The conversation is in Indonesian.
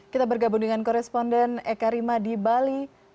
kita bergabung dengan koresponden eka rima di bali